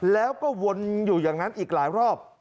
แล้วก็วนอยู่อย่างนั้นอีกหลายรอบ